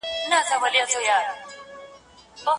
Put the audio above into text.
بېوزلي د صنعتي سيستم نتيجه ده.